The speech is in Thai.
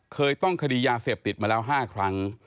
เคยต้องคดียาเสพติดมาแล้ว๕ครั้ง